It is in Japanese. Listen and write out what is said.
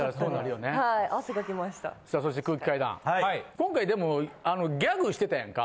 今回でもギャグしてたやんか。